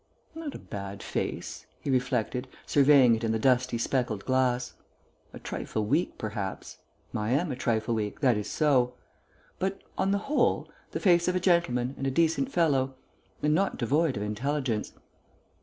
"Not a bad face," he reflected, surveying it in the dusty speckled glass. "A trifle weak perhaps. I am a trifle weak; that is so. But, on the whole, the face of a gentleman and a decent fellow. And not devoid of intelligence....